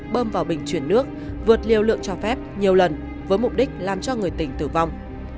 bơm vào bình chuyển nước vượt liều lượng cho phép nhiều lần với mục đích làm cho người tỉnh tử vong